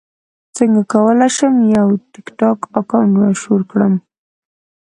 څنګه کولی شم یو ټکټاک اکاونټ مشهور کړم